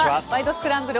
スクランブル」